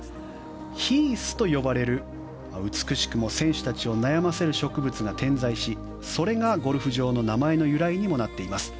ヒースと呼ばれる、美しくも選手たちを悩ませる植物が点在し、それがゴルフ場の名前の由来にもなっています。